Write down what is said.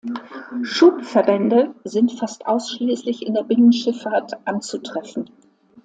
Schubverbände sind fast ausschließlich in der Binnenschifffahrt anzutreffen.